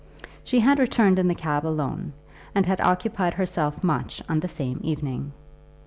She had returned in the cab alone, and had occupied herself much on the same evening.